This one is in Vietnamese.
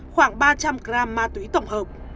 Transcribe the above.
khoảng ba trăm linh gram ma túy tổng hợp